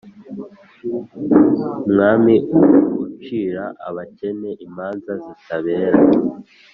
umwami ucira abakene imanza zitabera,